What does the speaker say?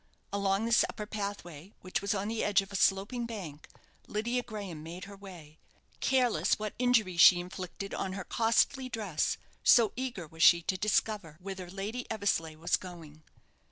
Along this upper pathway, which was on the edge of a sloping bank, Lydia Graham made her way, careless what injury she inflicted on her costly dress, so eager was she to discover whither lady Eversleigh was going.